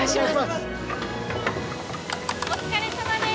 お疲れさまです。